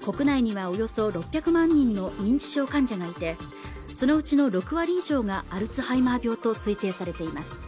国内にはおよそ６００万人の認知症患者がいてそのうちの６割以上がアルツハイマー病と推定されています